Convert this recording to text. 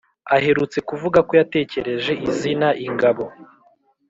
Aherutse kuvuga ko yatekereje izina Ingabo